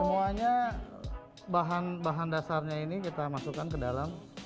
semuanya bahan bahan dasarnya ini kita masukkan ke dalam